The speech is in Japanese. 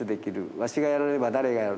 わしがやらねば誰がやる」。